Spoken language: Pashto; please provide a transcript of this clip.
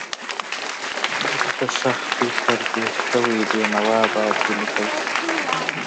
دلته ښخ دی پردیس شوی بېنوا باید ولیکل شي.